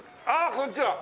こんにちは。